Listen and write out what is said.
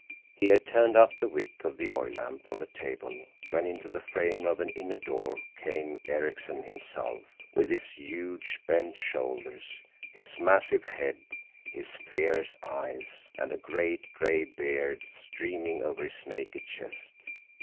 ] He had turned up the wick of the oil lamp on the table when into the frame of an inner door came Ericksen himself, with his huge, bent shoulders, his massive head, his fierce eyes, and a great gray beard streaming over his naked chest.